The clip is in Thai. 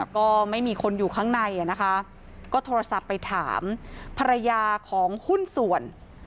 ก็ไม่มีคนอยู่ข้างในนะคะก็โทรศัพท์ไปถามภรรยาของหุ้นส่วน